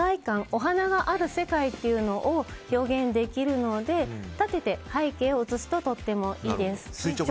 お花がある世界というのを表現できるので立てて背景を写すととてもいいです。